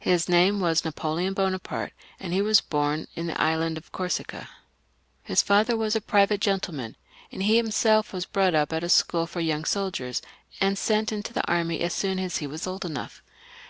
His name was Napoleon Bonaparte, and he was bom in the island of Corsica. His father was a private gentle man ; and he himseK was brought up at a school for young soldiers, and sent into the army as soon as he was old enough.